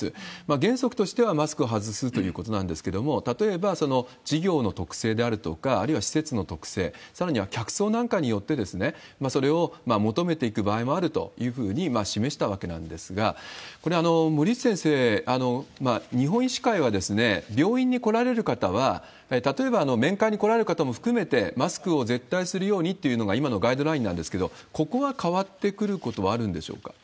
原則としてはマスクを外すということなんですけど、例えば、事業の特性であるとか、あるいは施設の特性、さらには客層なんかによって、それを求めていく場合もあるというふうに示したわけなんですが、これ、森内先生、日本医師会は、病院に来られる方は、例えば面会に来られる方も含めて、マスクを絶対するようにというのが今のガイドラインなんですけど、ここは変わってくることはあるんでしょうか？